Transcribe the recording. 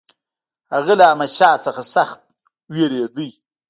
هغه له احمدشاه څخه سخت وېرېدی.